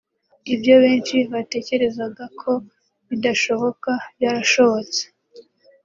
Ibyo benshi batecyerezaga ko bidashoboka byarashobotse